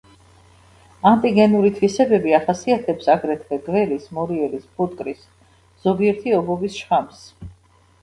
ანტიგენური თვისებები ახასიათებს აგრეთვე გველის, მორიელის, ფუტკრის, ზოგიერთი ობობის შხამს.